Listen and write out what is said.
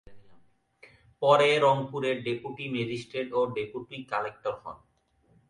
পরে রংপুরের deputy magistrate ও ডেপুটি কালেক্টর হন।